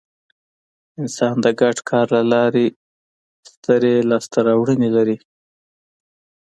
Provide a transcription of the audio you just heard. انسان د ګډ کار له لارې سترې لاستهراوړنې لرلې.